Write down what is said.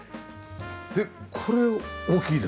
でこれ大きいですよね？